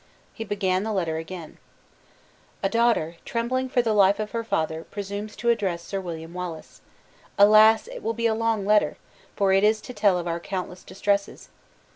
He began the letter again: "A daughter, trembling for the life of her father, presumes to address Sir William Wallace. Alas! it will be a long letter! for it is to tell of our countless distresses.